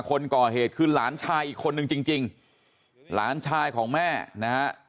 คนก่อเหตุคือหลานชายอีกคนนึงจริงจริงหลานชายของแม่นะฮะ